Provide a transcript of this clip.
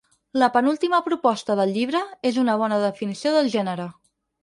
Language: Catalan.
La penúltima proposta del llibre és una bona definició del gènere.